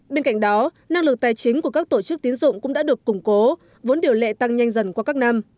bên cạnh đó năng lực tài chính của các tổ chức tiến dụng cũng đã được củng cố vốn điều lệ tăng nhanh dần qua các năm